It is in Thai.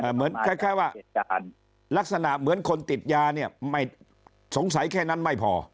เหมือนคล้ายว่าลักษณะเหมือนคนติดยาเนี่ยไม่สงสัยแค่นั้นไม่พอ